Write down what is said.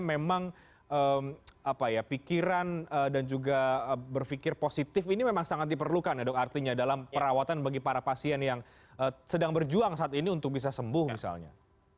memang pikiran dan juga berpikir positif ini memang sangat diperlukan ya dok artinya dalam perawatan bagi para pasien yang sedang berjuang saat ini untuk bisa sembuh misalnya